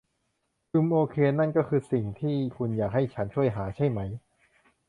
อืมโอเค นั่นก็สิ่งที่คุณอยากให้ฉันช่วยหาใช่ไหม